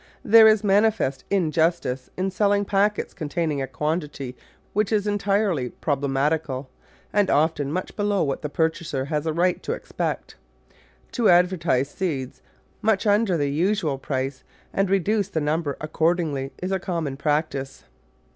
There is manifest in justice in selling packets containing a quantity which is entirely problematical, and often much below what the purchaser has a right to expect. To advertise seeds much under the usual price and reduce the num ber accordingly is a common practice.